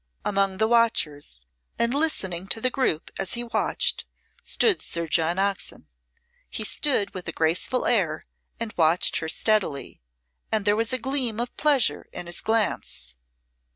Among the watchers, and listening to the group as he watched, stood Sir John Oxon. He stood with a graceful air and watched her steadily, and there was a gleam of pleasure in his glance.